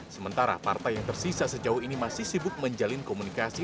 sementara partai yang tersisa sejauh ini masih sibuk menjalin komunikasi